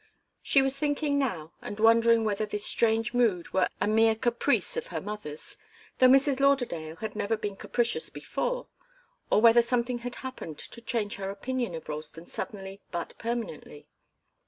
She was thinking now and wondering whether this strange mood were a mere caprice of her mother's, though Mrs. Lauderdale had never been capricious before, or whether something had happened to change her opinion of Ralston suddenly but permanently.